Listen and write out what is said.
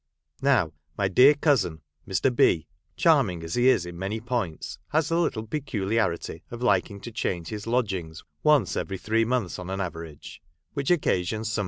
Now my dear cousin, Mr. B., charming as he is in many points, has the little peculiarity of liking to change his lodgings once eveiy three months on an average, which occasions some Charles Dickens.] DISAPPEARANCES.